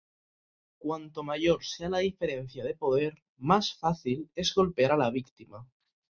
Cuanto mayor sea la diferencia de poder, más fácil es golpear a la víctima.